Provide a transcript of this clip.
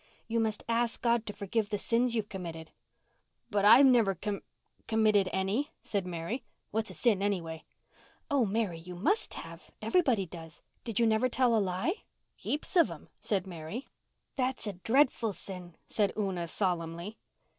"You must ask God to forgive the sins you've committed. "But I've never com—committed any," said Mary. "What's a sin any way?" "Oh, Mary, you must have. Everybody does. Did you never tell a lie?" "Heaps of 'em," said Mary. "That's a dreadful sin," said Una solemnly.